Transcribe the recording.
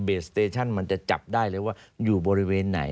สเตชั่นมันจะจับได้เลยว่าอยู่บริเวณไหน